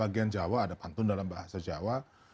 bagian jawa ada pantun dalam bahasa jawa